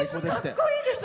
かっこいいです。